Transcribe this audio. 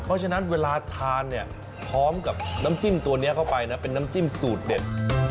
เพราะฉะนั้นเวลาทานเนี่ยพร้อมกับน้ำจิ้มตัวนี้เข้าไปนะเป็นน้ำจิ้มสูตรเด็ด